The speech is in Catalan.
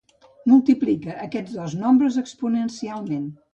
Multiplica aquests dos nombres exponencialment.